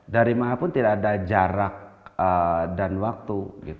darimahapun tidak ada jarak dan waktu